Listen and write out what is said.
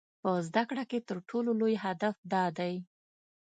په زده کړه کې تر ټولو لوی هدف دا دی.